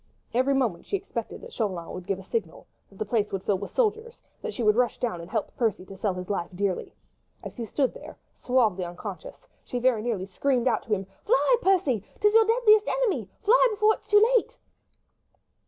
Every moment she expected that Chauvelin would give a signal, that the place would fill with soldiers, that she would rush down and help Percy to sell his life dearly. As he stood there, suavely unconscious, she very nearly screamed out to him,— "Fly, Percy!—'tis your deadly enemy!—fly before it be too late!"